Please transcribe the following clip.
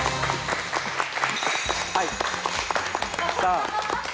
はい。